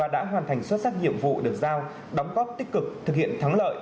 đã hoàn thành xuất sắc nhiệm vụ được giao đóng góp tích cực thực hiện thắng lợi